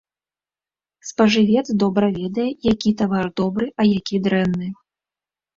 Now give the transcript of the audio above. Спажывец добра ведае, які тавар добры, а які дрэнны.